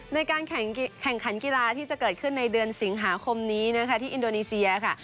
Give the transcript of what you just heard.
ในการแข่งขันกีฬาที่จะเกิดขึ้นในเดือนสิงหาคมนี้นะคะที่อินโดนีเซียค่ะ